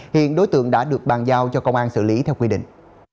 hiện đối tượng đã được bàn giao cho công an xử lý theo quy định